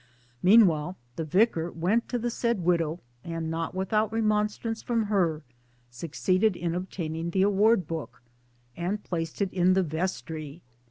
Meanwhile the Vicar went to the said widow and (not without remonstrance from her) succeeded in obtaining the Award Book ; and placed it in the Vestry.